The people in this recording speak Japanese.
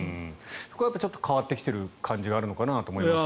これはちょっと変わってきている感じがあるのかなと思います。